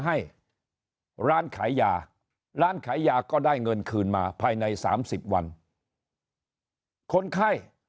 ให้ร้านขายยาร้านขายยาก็ได้เงินคืนมาภายใน๓๐วันคนไข้